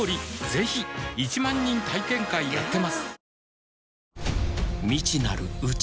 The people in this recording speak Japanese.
ぜひ１万人体験会やってますはぁ。